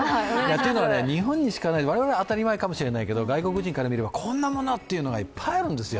というのは、我々は当たり前かもしれないけど、外国人から見ればこんなもの！っていうのがいっぱいあるんですよ。